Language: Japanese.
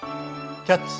「キャッチ！